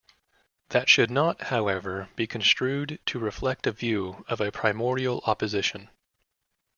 That should not, however, be construed to reflect a view of a primordial opposition.